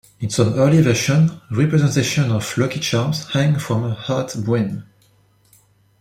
In some early versions representations of lucky charms hang from her hat brim.